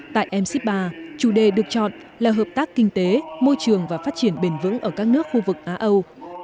tại mcip ba chủ đề được chọn là hợp tác kinh tế môi trường và phát triển bền vững ở các nước khu vực á âu